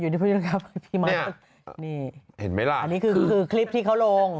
นี่นี่คือคลิปที่เขาลง